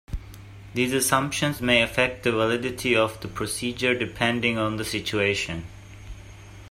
These assumptions may affect the validity of the procedure depending on the situation.